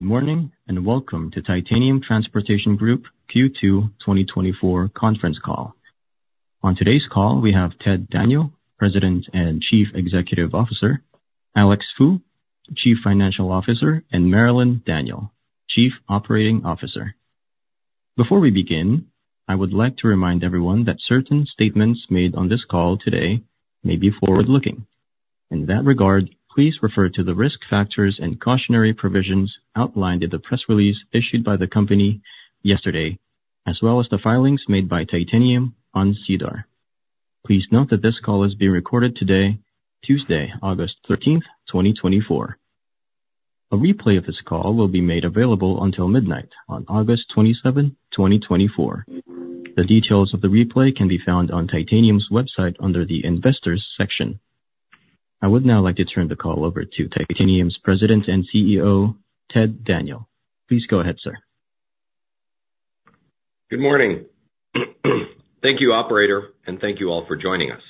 Good morning, and welcome to Titanium Transportation Group Q2 2024 conference call. On today's call, we have Ted Daniel, President and Chief Executive Officer, Alex Fu, Chief Financial Officer, and Marilyn Daniel, Chief Operating Officer. Before we begin, I would like to remind everyone that certain statements made on this call today may be forward-looking. In that regard, please refer to the risk factors and cautionary provisions outlined in the press release issued by the company yesterday, as well as the filings made by Titanium on SEDAR. Please note that this call is being recorded today, Tuesday, August 13, 2024. A replay of this call will be made available until midnight on August 27, 2024. The details of the replay can be found on Titanium's website under the investors section. I would now like to turn the call over to Titanium's President and CEO, Ted Daniel. Please go ahead, sir. Good morning. Thank you, operator, and thank you all for joining us.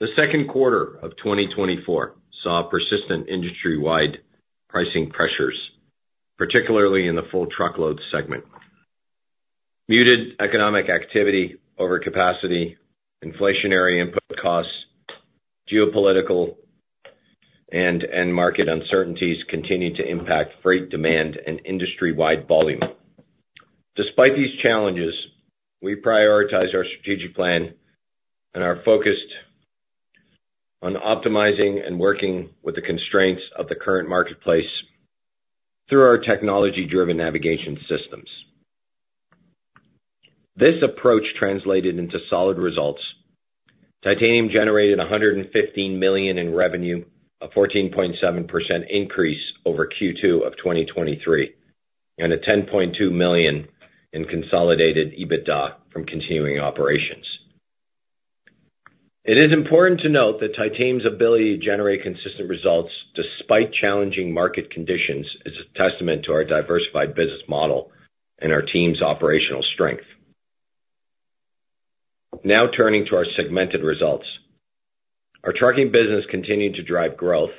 The Q2 of 2024 saw persistent industry-wide pricing pressures, particularly in the full truckload segment. Muted economic activity over capacity, inflationary input costs, geopolitical and market uncertainties continued to impact freight demand and industry-wide volume. Despite these challenges, we prioritize our strategic plan and are focused on optimizing and working with the constraints of the current marketplace through our technology-driven navigation systems. This approach translated into solid results. Titanium generated 115 million in revenue, a 14.7% increase over Q2 of 2023, and 10.2 million in consolidated EBITDA from continuing operations. It is important to note that Titanium's ability to generate consistent results despite challenging market conditions, is a testament to our diversified business model and our team's operational strength. Now, turning to our segmented results. Our trucking business continued to drive growth.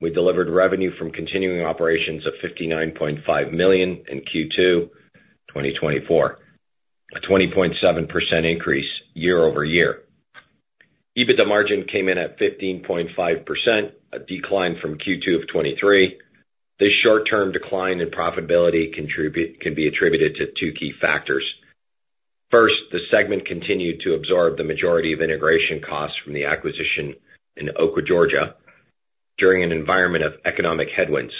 We delivered revenue from continuing operations of 59.5 million in Q2 2024, a 20.7% increase year-over-year. EBITDA margin came in at 15.5%, a decline from Q2 of 2023. This short-term decline in profitability can be attributed to two key factors. First, the segment continued to absorb the majority of integration costs from the acquisition in Oakwood, Georgia, during an environment of economic headwinds.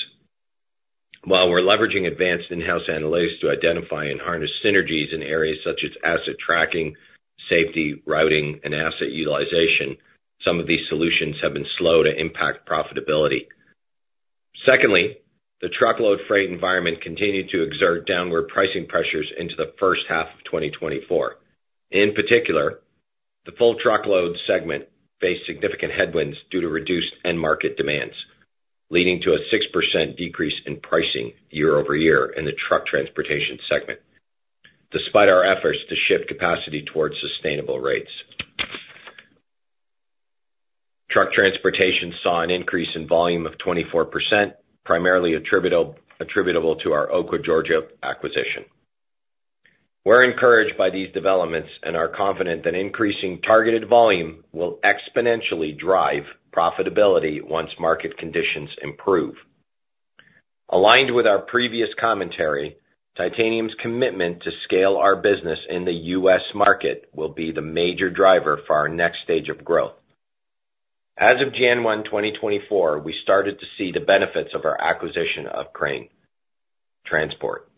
While we're leveraging advanced in-house analysis to identify and harness synergies in areas such as asset tracking, safety, routing, and asset utilization, some of these solutions have been slow to impact profitability. Secondly, the truckload freight environment continued to exert downward pricing pressures into the H1 of 2024. In particular, the full truckload segment faced significant headwinds due to reduced end market demands, leading to a 6% decrease in pricing year-over-year in the truck transportation segment, despite our efforts to shift capacity towards sustainable rates. Truck transportation saw an increase in volume of 24%, primarily attributable to our Oakwood, Georgia, acquisition. We're encouraged by these developments and are confident that increasing targeted volume will exponentially drive profitability once market conditions improve. Aligned with our previous commentary, Titanium's commitment to scale our business in the U.S. market will be the major driver for our next stage of growth. As of January 1, 2024, we started to see the benefits of our acquisition of Crane Transport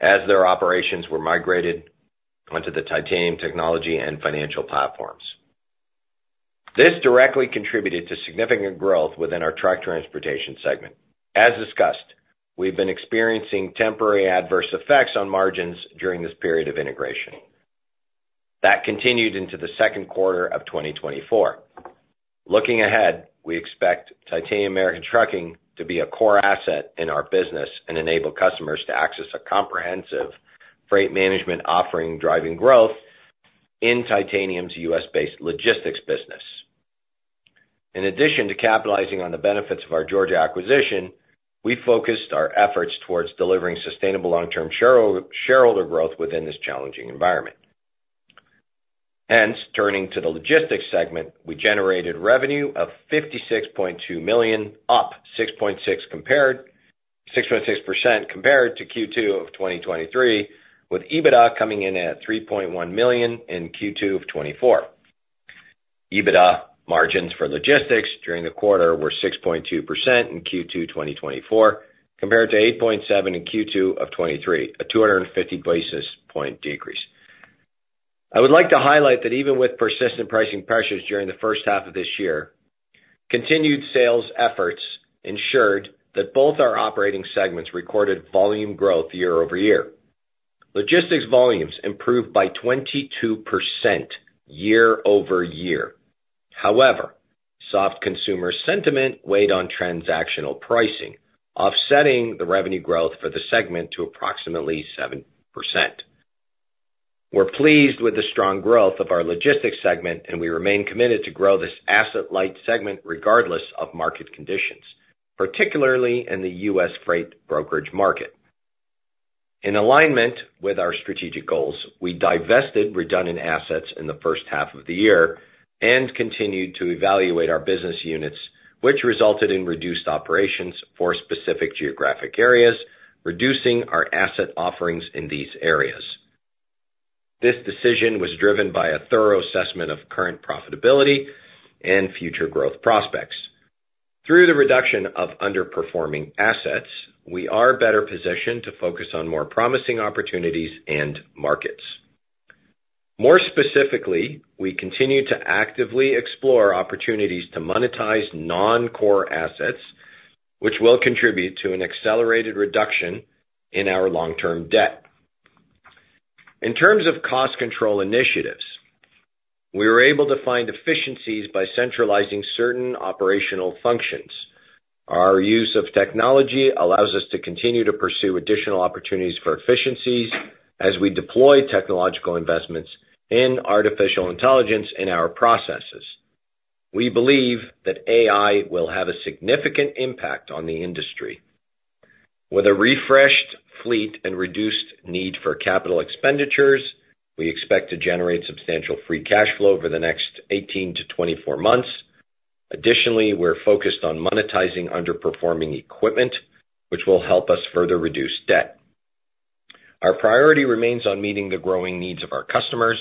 as their operations were migrated onto the Titanium technology and financial platforms. This directly contributed to significant growth within our truck transportation segment. As discussed, we've been experiencing temporary adverse effects on margins during this period of integration. That continued into the Q2 of 2024. Looking ahead, we expect Titanium American Trucking to be a core asset in our business and enable customers to access a comprehensive freight management offering, driving growth in Titanium's U.S.-based logistics business. In addition to capitalizing on the benefits of our Georgia acquisition, we focused our efforts towards delivering sustainable long-term shareholder growth within this challenging environment. Hence, turning to the logistics segment, we generated revenue of 56.2 million, up 6.6% compared to Q2 of 2023, with EBITDA coming in at 3.1 million in Q2 of 2024. EBITDA margins for logistics during the quarter were 6.2% in Q2 2024, compared to 8.7% in Q2 2023, a 250 basis point decrease. I would like to highlight that even with persistent pricing pressures during the H1 of this year, continued sales efforts ensured that both our operating segments recorded volume growth year-over-year. Logistics volumes improved by 22% year-over-year. However, soft consumer sentiment weighed on transactional pricing, offsetting the revenue growth for the segment to approximately 7%....We're pleased with the strong growth of our logistics segment, and we remain committed to grow this asset-light segment regardless of market conditions, particularly in the U.S. freight brokerage market. In alignment with our strategic goals, we divested redundant assets in the H1 of the year and continued to evaluate our business units, which resulted in reduced operations for specific geographic areas, reducing our asset offerings in these areas. This decision was driven by a thorough assessment of current profitability and future growth prospects. Through the reduction of underperforming assets, we are better positioned to focus on more promising opportunities and markets. More specifically, we continue to actively explore opportunities to monetize non-core assets, which will contribute to an accelerated reduction in our long-term debt. In terms of cost control initiatives, we were able to find efficiencies by centralizing certain operational functions. Our use of technology allows us to continue to pursue additional opportunities for efficiencies as we deploy technological investments in artificial intelligence in our processes. We believe that AI will have a significant impact on the industry. With a refreshed fleet and reduced need for capital expenditures, we expect to generate substantial free cash flow over the next 18 to 24 months. Additionally, we're focused on monetizing underperforming equipment, which will help us further reduce debt. Our priority remains on meeting the growing needs of our customers,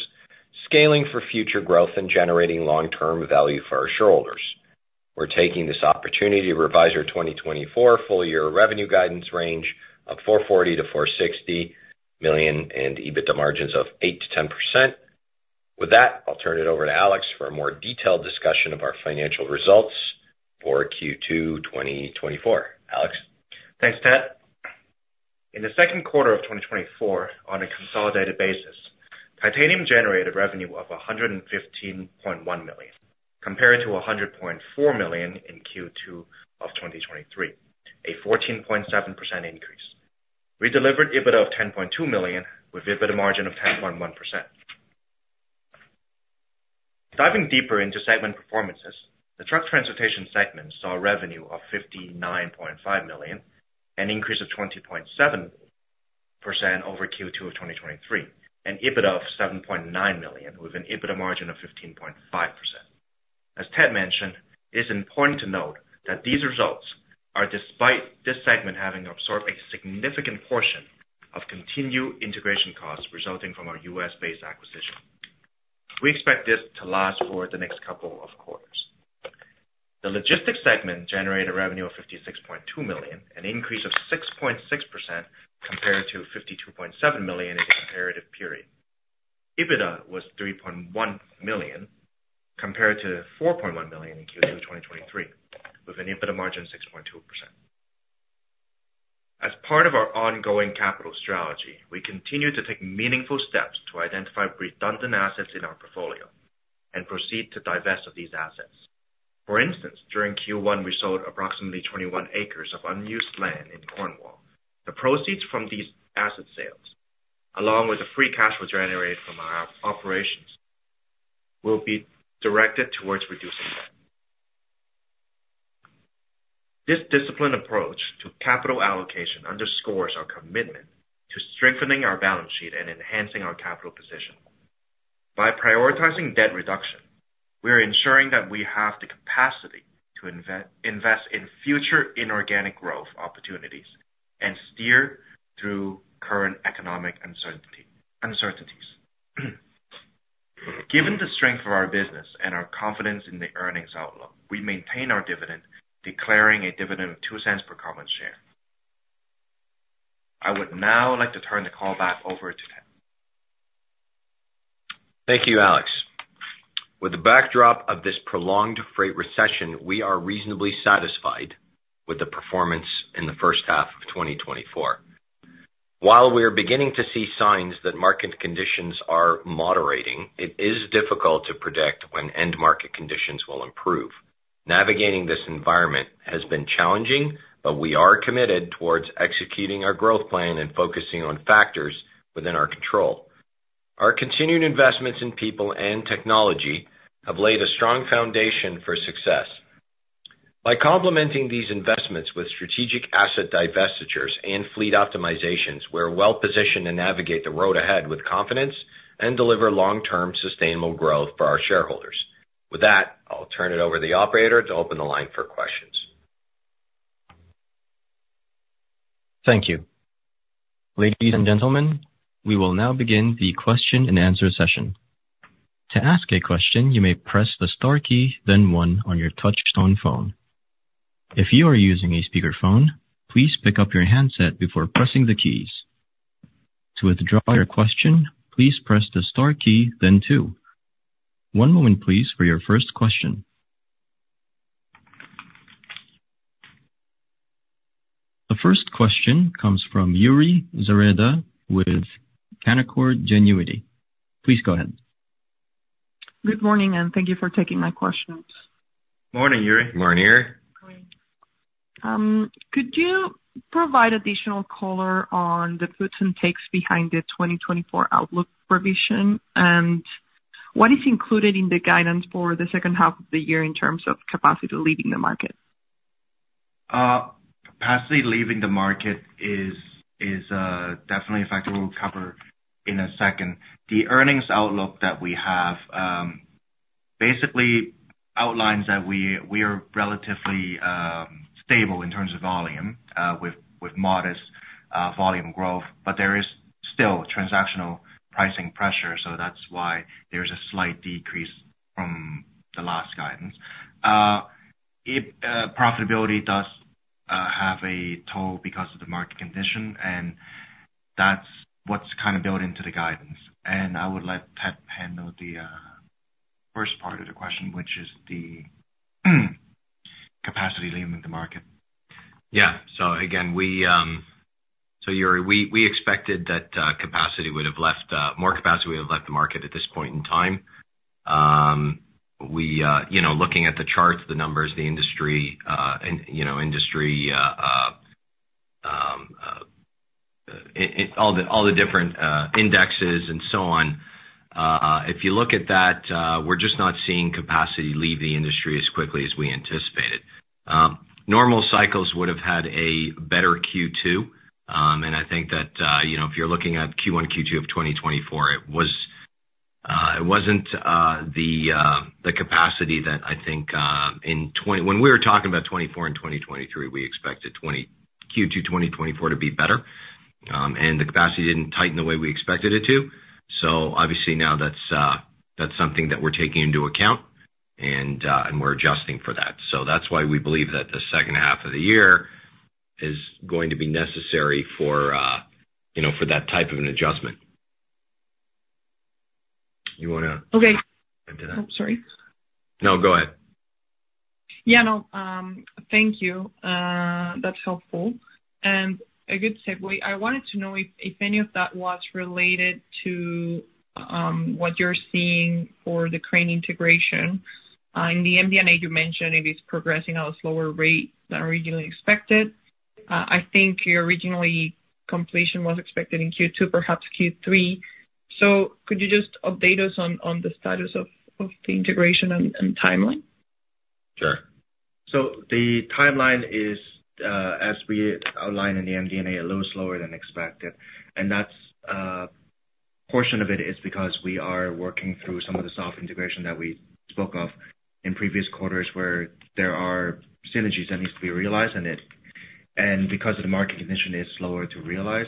scaling for future growth, and generating long-term value for our shareholders. We're taking this opportunity to revise our 2024 full year revenue guidance range of 440 million-460 million, and EBITDA margins of 8%-10%. With that, I'll turn it over to Alex for a more detailed discussion of our financial results for Q2 2024. Alex? Thanks, Ted. In the Q2 of 2024, on a consolidated basis, Titanium generated revenue of 115.1 million, compared to 100.4 million in Q2 of 2023, a 14.7% increase. We delivered EBITDA of 10.2 million, with EBITDA margin of 10.1%. Diving deeper into segment performances, the truck transportation segment saw revenue of 59.5 million, an increase of 20.7% over Q2 of 2023, and EBITDA of 7.9 million, with an EBITDA margin of 15.5%. As Ted mentioned, it's important to note that these results are despite this segment having absorbed a significant portion of continued integration costs resulting from our U.S.-based acquisition. We expect this to last for the next couple of quarters. The logistics segment generated revenue of 56.2 million, an increase of 6.6% compared to 52.7 million in the comparative period. EBITDA was 3.1 million, compared to 4.1 million in Q2 2023, with an EBITDA margin of 6.2%. As part of our ongoing capital strategy, we continue to take meaningful steps to identify redundant assets in our portfolio and proceed to divest of these assets. For instance, during Q1, we sold approximately 21 acres of unused land in Cornwall. The proceeds from these asset sales, along with the free cash flow generated from our operations, will be directed towards reducing debt. This disciplined approach to capital allocation underscores our commitment to strengthening our balance sheet and enhancing our capital position. By prioritizing debt reduction, we are ensuring that we have the capacity to invest in future inorganic growth opportunities and steer through current economic uncertainties. Given the strength of our business and our confidence in the earnings outlook, we maintain our dividend, declaring a dividend of 0.02 per common share. I would now like to turn the call back over to Ted. Thank you, Alex. With the backdrop of this prolonged freight recession, we are reasonably satisfied with the performance in the H1 of 2024. While we are beginning to see signs that market conditions are moderating, it is difficult to predict when end market conditions will improve. Navigating this environment has been challenging, but we are committed towards executing our growth plan and focusing on factors within our control. Our continued investments in people and technology have laid a strong foundation for success. By complementing these investments with strategic asset divestitures and fleet optimizations, we're well positioned to navigate the road ahead with confidence and deliver long-term sustainable growth for our shareholders. With that, I'll turn it over to the operator to open the line for questions. Thank you. Ladies and gentlemen, we will now begin the question-and-answer session. To ask a question, you may press the star key, then one on your touchtone phone. If you are using a speakerphone, please pick up your handset before pressing the keys. To withdraw your question, please press the star key, then two. One moment, please, for your first question. The first question comes from Yuri Zoreda with Canaccord Genuity. Please go ahead. Good morning, and thank you for taking my questions. Morning, Yuri. Morning, Yuri.... Could you provide additional color on the puts and takes behind the 2024 outlook provision? What is included in the guidance for the H2 of the year in terms of capacity leaving the market? Capacity leaving the market is definitely a factor we'll cover in a second. The earnings outlook that we have basically outlines that we are relatively stable in terms of volume with modest volume growth. But there is still transactional pricing pressure, so that's why there's a slight decrease from the last guidance. Profitability does have a toll because of the market condition, and that's what's kind of built into the guidance. And I would let Ted handle the first part of the question, which is the capacity leaving the market. Yeah. So again, we, so Yuri, we expected that capacity would have left, more capacity would have left the market at this point in time. We, you know, looking at the charts, the numbers, the industry, and, you know, industry, all the different indexes and so on, if you look at that, we're just not seeing capacity leave the industry as quickly as we anticipated. Normal cycles would have had a better Q2. And I think that, you know, if you're looking at Q1 and Q2 of 2024, it wasn't the capacity that I think, when we were talking about 2024 and 2023, we expected Q2 2024 to be better. And the capacity didn't tighten the way we expected it to. So obviously now that's something that we're taking into account, and we're adjusting for that. So that's why we believe that the H2 of the year is going to be necessary for, you know, for that type of an adjustment. You wanna- Okay. Add to that? Oh, sorry. No, go ahead. Yeah, no, thank you. That's helpful. And a good segue, I wanted to know if any of that was related to what you're seeing for the Crane integration. In the MD&A, you mentioned it is progressing at a slower rate than originally expected. I think you originally completion was expected in Q2, perhaps Q3. So could you just update us on the status of the integration and timeline? Sure. So the timeline is, as we outlined in the MD&A, a little slower than expected, and that's, portion of it is because we are working through some of the soft integration that we spoke of in previous quarters, where there are synergies that needs to be realized, and because of the market condition, it's slower to realize.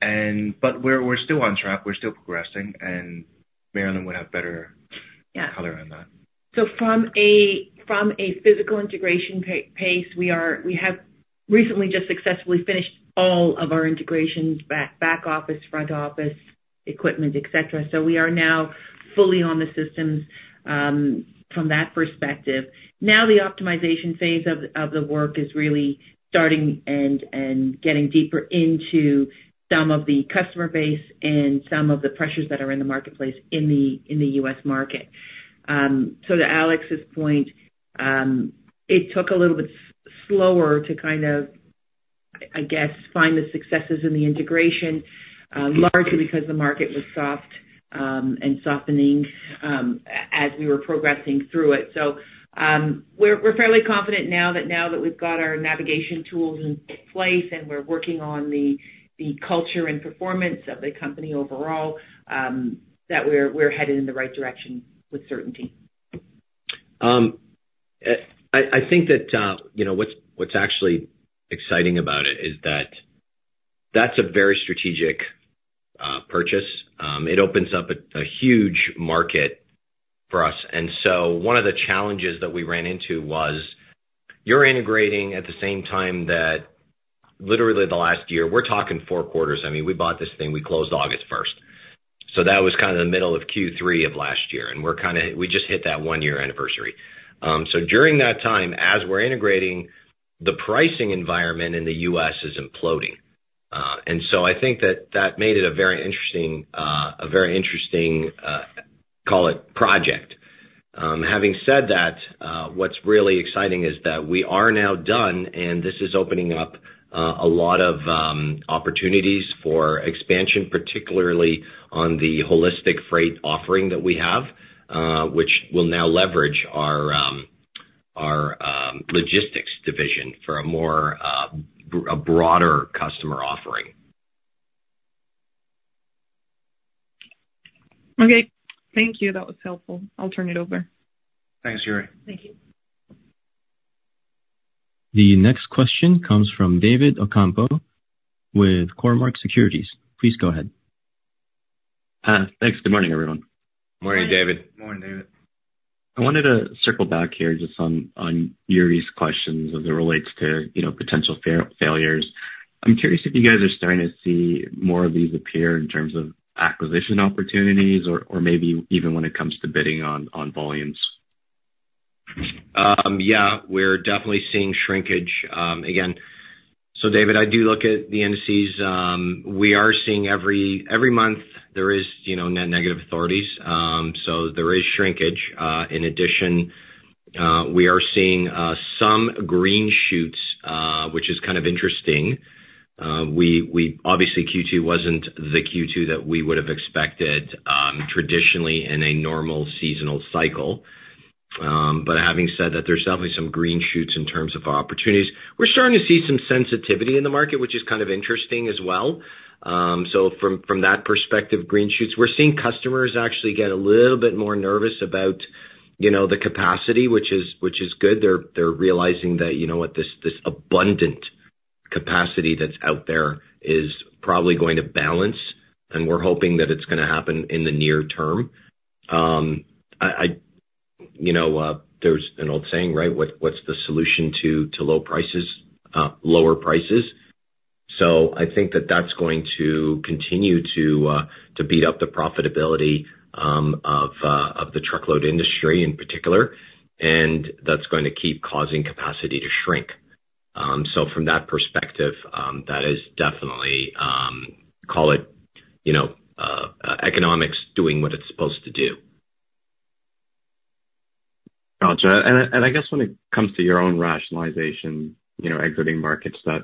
And but we're still on track, we're still progressing, and Marilyn would have better- Yeah Color on that. So from a physical integration pace, we have recently just successfully finished all of our integrations, back office, front office, equipment, et cetera. So we are now fully on the systems from that perspective. Now, the optimization phase of the work is really starting and getting deeper into some of the customer base and some of the pressures that are in the marketplace in the US market. So to Alex's point, it took a little bit slower to kind of, I guess, find the successes in the integration, largely because the market was soft and softening as we were progressing through it. So, we're fairly confident now that we've got our navigation tools in place, and we're working on the culture and performance of the company overall, that we're headed in the right direction with certainty. I think that, you know, what's actually exciting about it is that that's a very strategic purchase. It opens up a huge market for us. And so one of the challenges that we ran into was you're integrating at the same time that literally the last year, we're talking four quarters. I mean, we bought this thing, we closed August first. So that was kind of the middle of Q3 of last year, and we're kind of... We just hit that one-year anniversary. So during that time, as we're integrating, the pricing environment in the U.S. is imploding. And so I think that that made it a very interesting, a very interesting, call it project. Having said that, what's really exciting is that we are now done, and this is opening up a lot of opportunities for expansion, particularly on the holistic freight offering that we have, which will now leverage our logistics division for a more broader customer offering. Okay. Thank you. That was helpful. I'll turn it over. Thanks, Yuri. Thank you. The next question comes from David Ocampo with Cormark Securities. Please go ahead. Thanks. Good morning, everyone. Morning, David. Morning, David. I wanted to circle back here just on Yuri's questions as it relates to, you know, potential failures. I'm curious if you guys are starting to see more of these appear in terms of acquisition opportunities or maybe even when it comes to bidding on volumes. Yeah, we're definitely seeing shrinkage, again. So David, I do look at the indices. We are seeing every month there is, you know, net negative authorities, so there is shrinkage. In addition, we are seeing some green shoots, which is kind of interesting. We obviously Q2 wasn't the Q2 that we would have expected, traditionally in a normal seasonal cycle. But having said that, there's definitely some green shoots in terms of opportunities. We're starting to see some sensitivity in the market, which is kind of interesting as well. So from that perspective, green shoots, we're seeing customers actually get a little bit more nervous about, you know, the capacity, which is good. They're realizing that, you know what, this abundant capacity that's out there is probably going to balance, and we're hoping that it's going to happen in the near term. You know, there's an old saying, right, what's the solution to low prices? Lower prices. So I think that that's going to continue to beat up the profitability of the truckload industry in particular, and that's going to keep causing capacity to shrink. So from that perspective, that is definitely call it, you know, economics doing what it's supposed to do. Gotcha. And I guess when it comes to your own rationalization, you know, exiting markets that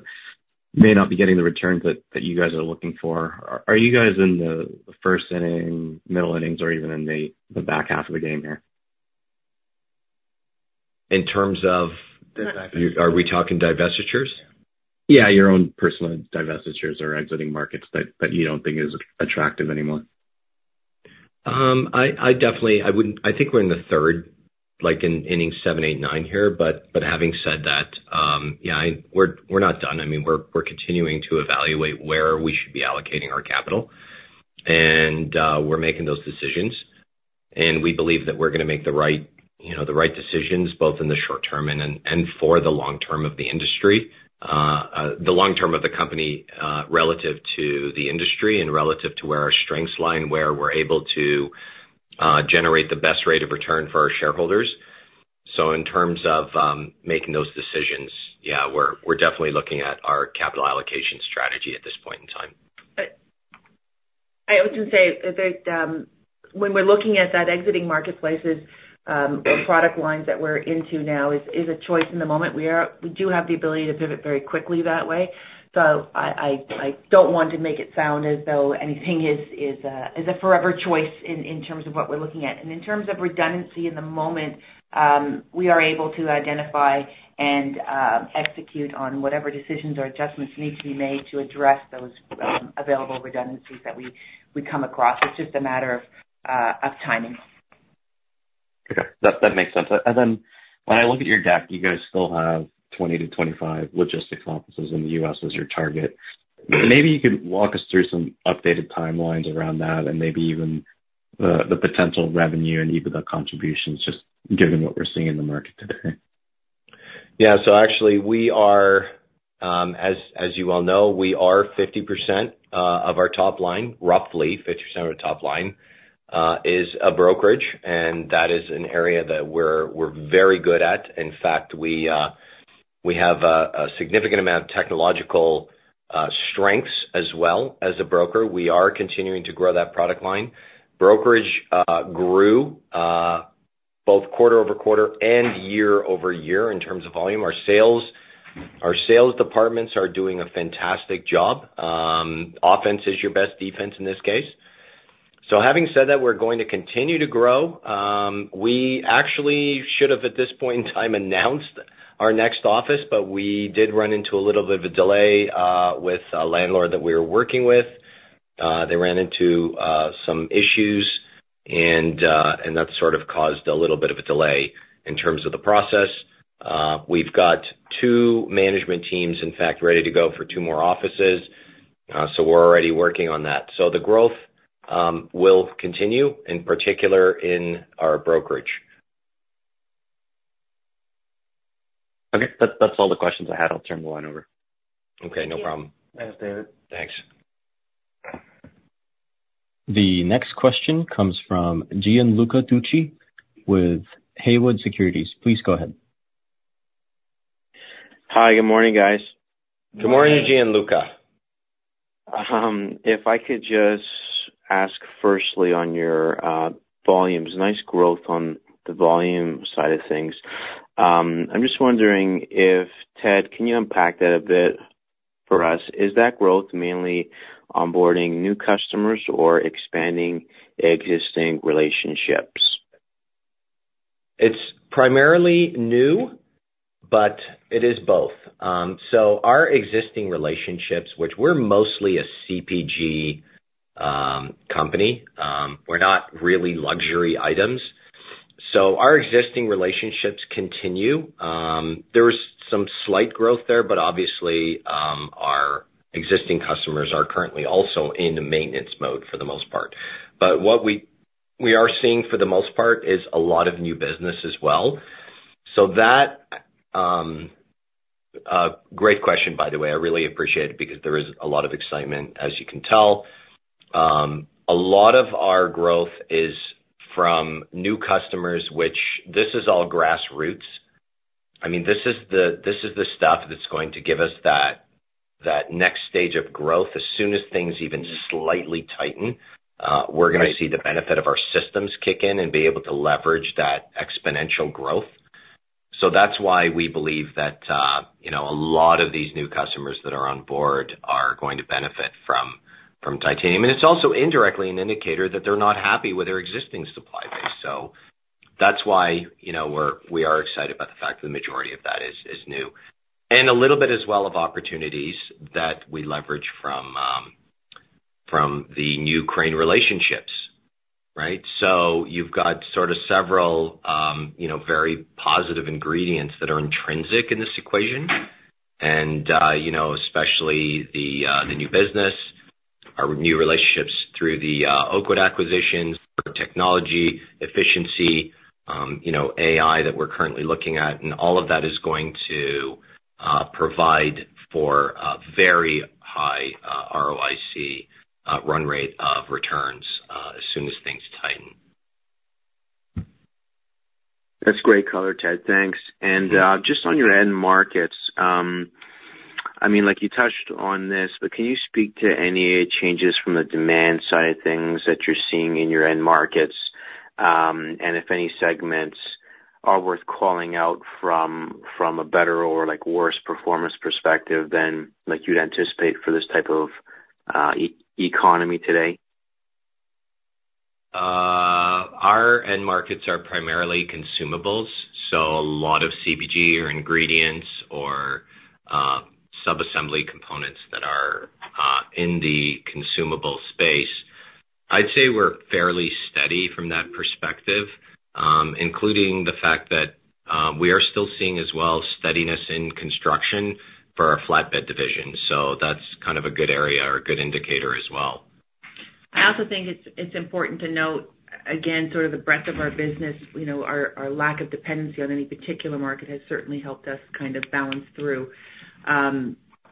may not be getting the returns that you guys are looking for, are you guys in the first inning, middle innings, or even in the back half of the game here? In terms of- The back. Are we talking divestitures? Yeah, your own personal divestitures or exiting markets that you don't think is attractive anymore. I definitely think we're in the third, like, inning 7, 8, 9 here, but having said that, yeah. We're not done. I mean, we're continuing to evaluate where we should be allocating our capital, and we're making those decisions, and we believe that we're going to make the right, you know, the right decisions, both in the short term and then and for the long term of the industry, the long term of the company, relative to the industry and relative to where our strengths lie, and where we're able to generate the best rate of return for our shareholders. So in terms of making those decisions, yeah, we're definitely looking at our capital allocation strategy at this point in time. I would just say that, when we're looking at those existing marketplaces, or product lines that we're into now is a choice in the moment. We do have the ability to pivot very quickly that way. So I don't want to make it sound as though anything is a forever choice in terms of what we're looking at. And in terms of redundancy in the moment, we are able to identify and execute on whatever decisions or adjustments need to be made to address those available redundancies that we come across. It's just a matter of timing. Okay, that, that makes sense. Then when I look at your deck, you guys still have 20-25 logistics offices in the US as your target. Maybe you could walk us through some updated timelines around that and maybe even the potential revenue and EBITDA contributions, just given what we're seeing in the market today. Yeah. So actually, we are, as you well know, we are 50% of our top line, roughly 50% of the top line is a brokerage, and that is an area that we're very good at. In fact, we have a significant amount of technological strengths as well as a broker. We are continuing to grow that product line. Brokerage grew both quarter-over-quarter and year-over-year in terms of volume. Our sales departments are doing a fantastic job. Offense is your best defense in this case. So having said that, we're going to continue to grow. We actually should have, at this point in time, announced our next office, but we did run into a little bit of a delay with a landlord that we were working with. They ran into some issues, and that sort of caused a little bit of a delay in terms of the process. We've got two management teams, in fact, ready to go for two more offices. So we're already working on that. So the growth will continue, in particular in our brokerage. Okay. That's, that's all the questions I had. I'll turn the line over. Okay, no problem. Thanks, David. Thanks. The next question comes from Gianluca Tucci with Haywood Securities. Please go ahead. Hi, good morning, guys. Good morning, Gianluca. If I could just ask, firstly, on your volumes. Nice growth on the volume side of things. I'm just wondering if, Ted, can you unpack that a bit for us? Is that growth mainly onboarding new customers or expanding existing relationships? It's primarily new, but it is both. So our existing relationships, which we're mostly a CPG company, we're not really luxury items. So our existing relationships continue. There is some slight growth there, but obviously, our existing customers are currently also in maintenance mode for the most part. But what we are seeing for the most part is a lot of new business as well. So that... Great question, by the way. I really appreciate it because there is a lot of excitement, as you can tell. A lot of our growth is from new customers, which this is all grassroots. I mean, this is the stuff that's going to give us that next stage of growth. As soon as things even slightly tighten, we're gonna see the benefit of our systems kick in and be able to leverage that exponential growth. So that's why we believe that, you know, a lot of these new customers that are on board are going to benefit from Titanium. And it's also indirectly an indicator that they're not happy with their existing supply base. So that's why, you know, we are excited about the fact that the majority of that is new. And a little bit as well of opportunities that we leverage from the new Crane relationships, right? So you've got sort of several, you know, very positive ingredients that are intrinsic in this equation. You know, especially the new business, our new relationships through the Oakwood acquisitions, for technology, efficiency, you know, AI that we're currently looking at, and all of that is going to provide for a very high ROIC run rate of returns, as soon as things tighten. That's great color, Ted. Thanks. And just on your end markets, I mean, like you touched on this, but can you speak to any changes from the demand side of things that you're seeing in your end markets? And if any segments are worth calling out from a better or, like, worse performance perspective than, like, you'd anticipate for this type of economy today? Our end markets are primarily consumables, so a lot of CPG or ingredients or sub-assembly components that are in the consumable space. I'd say we're fairly steady from that perspective, including the fact that we are still seeing as well steadiness in construction for our flatbed division. So that's kind of a good area or a good indicator as well. I also think it's important to note, again, sort of the breadth of our business. You know, our lack of dependency on any particular market has certainly helped us kind of balance through.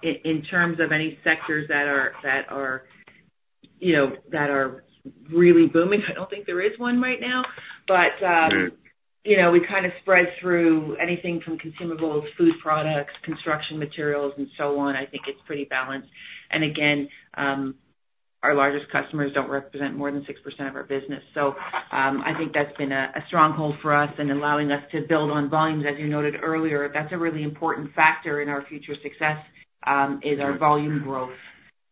In terms of any sectors that are, that are, you know, that are really booming, I don't think there is one right now. But- Yeah. You know, we kind of spread through anything from consumable food products, construction materials, and so on. I think it's pretty balanced. And again, our largest customers don't represent more than 6% of our business. So, I think that's been a stronghold for us and allowing us to build on volumes. As you noted earlier, that's a really important factor in our future success, is our volume growth.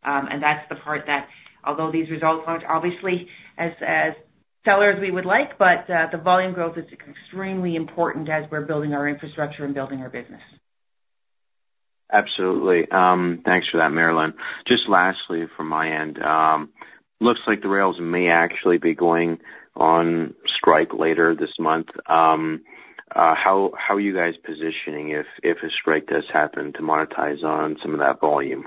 And that's the part that although these results aren't obviously as stellar as we would like, but, the volume growth is extremely important as we're building our infrastructure and building our business. Absolutely. Thanks for that, Marilyn. Just lastly, from my end, looks like the rails may actually be going on strike later this month. How are you guys positioning if a strike does happen, to monetize on some of that volume?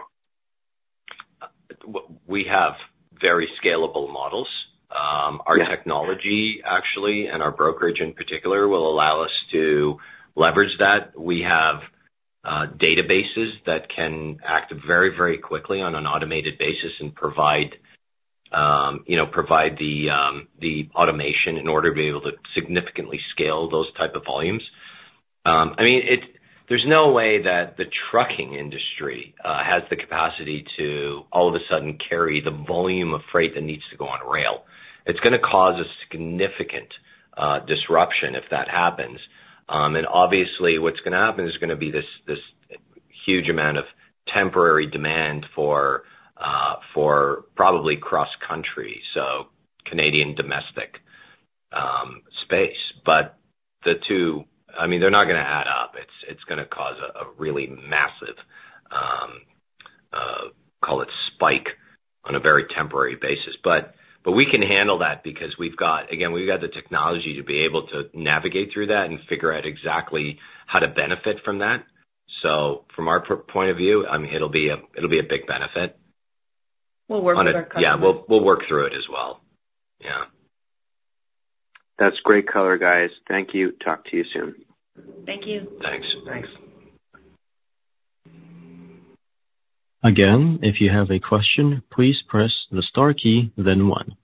We have very scalable models. Yeah. Our technology, actually, and our brokerage in particular, will allow us to leverage that. We have databases that can act very, very quickly on an automated basis and provide the automation in order to be able to significantly scale those type of volumes. I mean, there's no way that the trucking industry has the capacity to all of a sudden carry the volume of freight that needs to go on rail. It's gonna cause a significant disruption if that happens. And obviously, what's gonna happen is gonna be this huge amount of temporary demand for probably cross-country, so Canadian domestic space. But the two... I mean, they're not gonna add up. It's gonna cause a really massive call it spike, on a very temporary basis. But we can handle that because we've got, again, the technology to be able to navigate through that and figure out exactly how to benefit from that. So from our point of view, I mean, it'll be a big benefit. We'll work with our customers. Yeah, we'll, we'll work through it as well. Yeah. That's great color, guys. Thank you. Talk to you soon. Thank you. Thanks. Thanks. Again, if you have a question, please press the star key, then one.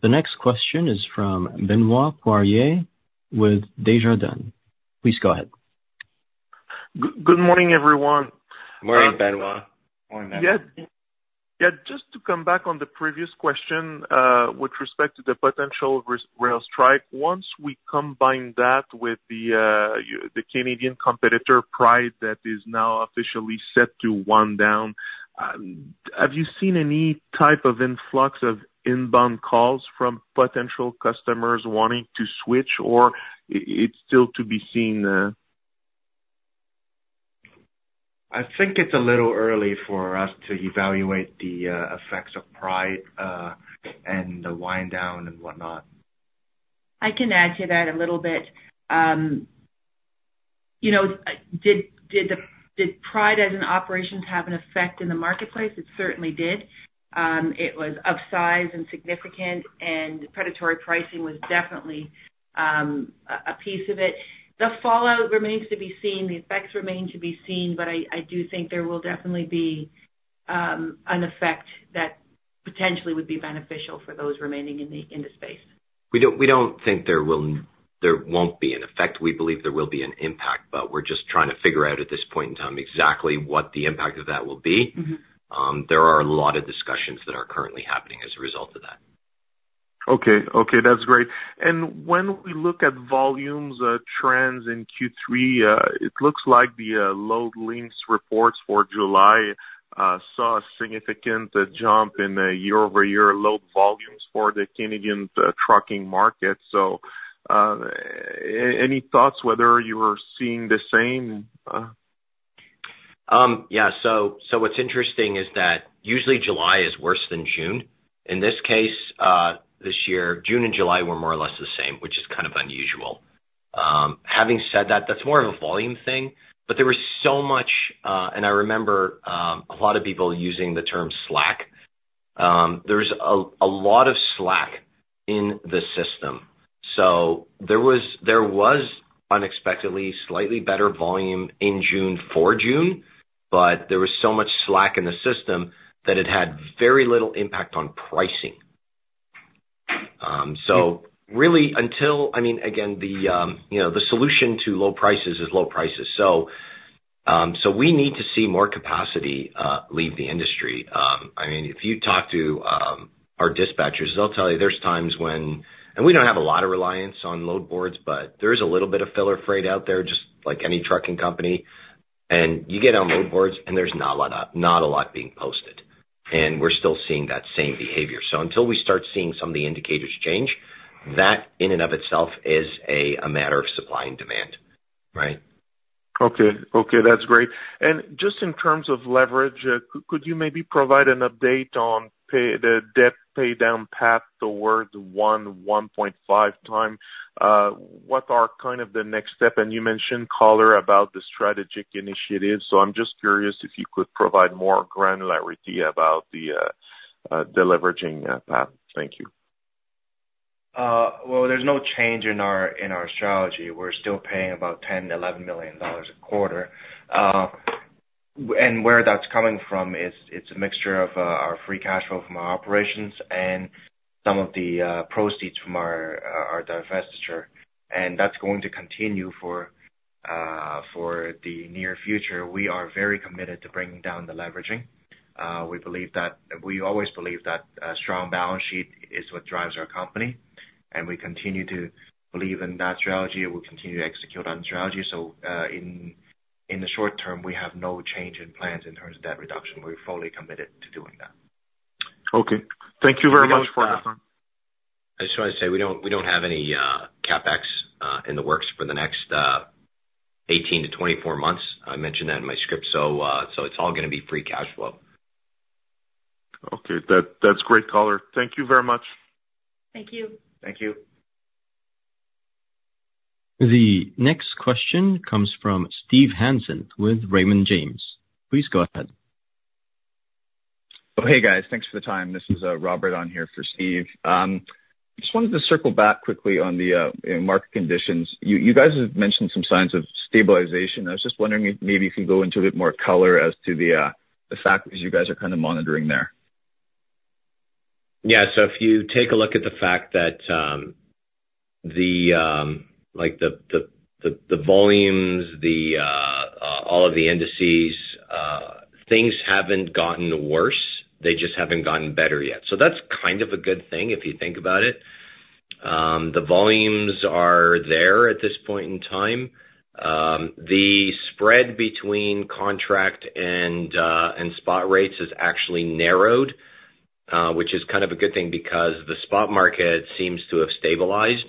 The next question is from Benoit Poirier with Desjardins. Please go ahead. Good morning, everyone. Morning, Benoit. Morning, Benoit. Yeah. Yeah, just to come back on the previous question, with respect to the potential rail strike, once we combine that with the Canadian competitor, Pride, that is now officially set to wind down, have you seen any type of influx of inbound calls from potential customers wanting to switch, or it's still to be seen? I think it's a little early for us to evaluate the effects of Pride and the wind down and whatnot. I can add to that a little bit. You know, did Pride as an operations have an effect in the marketplace? It certainly did. It was of size and significant, and predatory pricing was definitely a piece of it. The fallout remains to be seen, the effects remain to be seen, but I do think there will definitely be an effect that-... potentially would be beneficial for those remaining in the space. We don't think there won't be an effect. We believe there will be an impact, but we're just trying to figure out at this point in time exactly what the impact of that will be. Mm-hmm. There are a lot of discussions that are currently happening as a result of that. Okay. Okay, that's great. And when we look at volumes, trends in Q3, it looks like the Loadlink reports for July saw a significant jump in year-over-year load volumes for the Canadian trucking market. So, any thoughts whether you are seeing the same? Yeah. So what's interesting is that usually July is worse than June. In this case, this year, June and July were more or less the same, which is kind of unusual. Having said that, that's more of a volume thing, but there was so much, and I remember a lot of people using the term slack. There was a lot of slack in the system. So there was unexpectedly slightly better volume in June for June, but there was so much slack in the system that it had very little impact on pricing. So really, until, I mean, again, the, you know, the solution to low prices is low prices. So we need to see more capacity leave the industry. I mean, if you talk to our dispatchers, they'll tell you there's times when... And we don't have a lot of reliance on load boards, but there is a little bit of filler freight out there, just like any trucking company. And you get on load boards, and there's not a lot of, not a lot being posted, and we're still seeing that same behavior. So until we start seeing some of the indicators change, that in and of itself is a matter of supply and demand, right? Okay. Okay, that's great. And just in terms of leverage, could you maybe provide an update on the debt paydown path towards 1.5 times? What are kind of the next step? And you mentioned color about the strategic initiatives, so I'm just curious if you could provide more granularity about the leveraging path. Thank you. Well, there's no change in our strategy. We're still paying about 10-11 million dollars a quarter. And where that's coming from is it's a mixture of our free cash flow from our operations and some of the proceeds from our divestiture, and that's going to continue for the near future. We are very committed to bringing down the leveraging. We believe that... We always believe that a strong balance sheet is what drives our company, and we continue to believe in that strategy, and we'll continue to execute on the strategy. In the short term, we have no change in plans in terms of debt reduction. We're fully committed to doing that. Okay. Thank you very much for that. I just want to say we don't, we don't have any, CapEx, in the works for the next, 18-24 months. I mentioned that in my script, so, so it's all gonna be free cash flow. Okay. That, that's great color. Thank you very much. Thank you. Thank you. The next question comes from Steve Hansen with Raymond James. Please go ahead. Oh, hey, guys. Thanks for the time. This is Robert on here for Steve. Just wanted to circle back quickly on the market conditions. You guys have mentioned some signs of stabilization. I was just wondering if maybe you could go into a bit more color as to the factors you guys are kind of monitoring there. Yeah. So if you take a look at the fact that, like, the volumes, all of the indices, things haven't gotten worse. They just haven't gotten better yet. So that's kind of a good thing if you think about it. The volumes are there at this point in time. The spread between contract and spot rates has actually narrowed, which is kind of a good thing because the spot market seems to have stabilized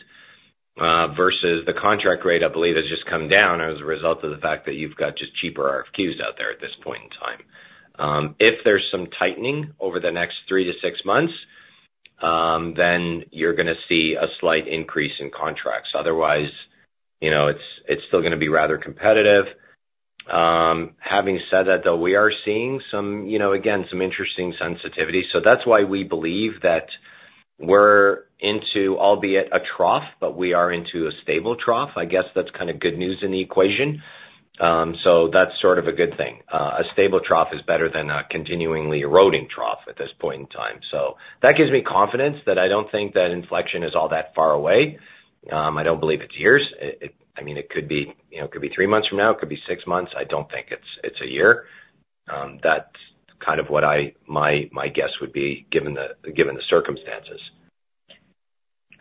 versus the contract rate, I believe, has just come down as a result of the fact that you've got just cheaper RFQs out there at this point in time. If there's some tightening over the next three to six months, then you're gonna see a slight increase in contracts. Otherwise, you know, it's still gonna be rather competitive. Having said that, though, we are seeing some, you know, again, some interesting sensitivity. So that's why we believe that we're into, albeit a trough, but we are into a stable trough. I guess that's kind of good news in the equation. So that's sort of a good thing. A stable trough is better than a continuingly eroding trough at this point in time. So that gives me confidence that I don't think that inflection is all that far away. I don't believe it's years. I mean, it could be, you know, it could be three months from now, it could be six months. I don't think it's a year. That's kind of what my guess would be, given the circumstances.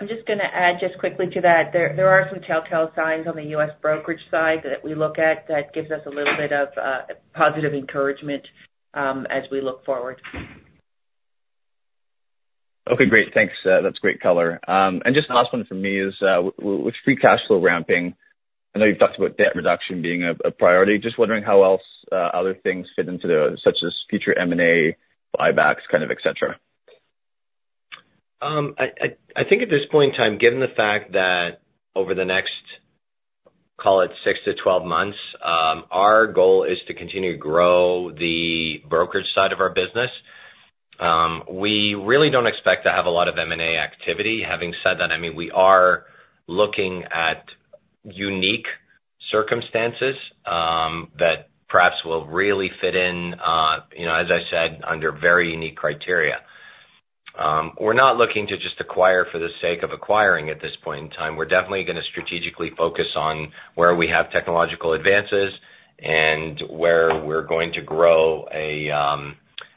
I'm just gonna add just quickly to that. There are some telltale signs on the U.S. brokerage side that we look at that gives us a little bit of positive encouragement as we look forward. Okay, great. Thanks. That's great color. And just last one from me is, with free cash flow ramping, I know you've talked about debt reduction being a priority. Just wondering how else other things fit into the such as future M&A, buybacks, kind of et cetera. I think at this point in time, given the fact that over the next, call it 6-12 months, our goal is to continue to grow the brokerage side of our business. We really don't expect to have a lot of M&A activity. Having said that, I mean, we are looking at unique circumstances that perhaps will really fit in, you know, as I said, under very unique criteria. We're not looking to just acquire for the sake of acquiring at this point in time. We're definitely gonna strategically focus on where we have technological advances and where we're going to grow a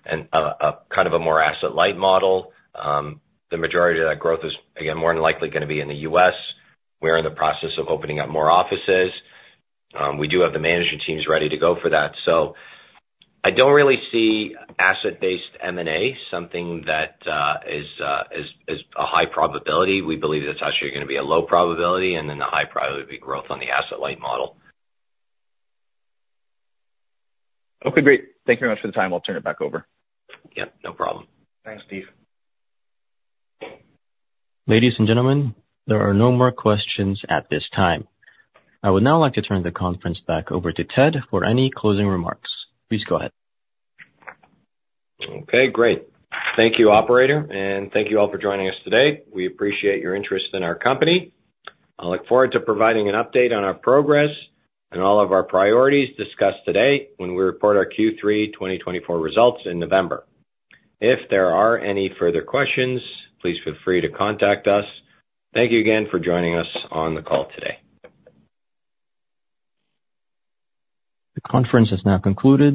kind of a more asset-light model. The majority of that growth is, again, more than likely gonna be in the US. We're in the process of opening up more offices. We do have the management teams ready to go for that. So I don't really see asset-based M&A, something that is a high probability. We believe it's actually gonna be a low probability, and then the high probability growth on the asset-light model. Okay, great. Thank you very much for the time. I'll turn it back over. Yeah, no problem. Thanks, Steve. Ladies and gentlemen, there are no more questions at this time. I would now like to turn the conference back over to Ted for any closing remarks. Please go ahead. Okay, great. Thank you, operator, and thank you all for joining us today. We appreciate your interest in our company. I look forward to providing an update on our progress and all of our priorities discussed today when we report our Q3 2024 results in November. If there are any further questions, please feel free to contact us. Thank you again for joining us on the call today. The conference is now concluded.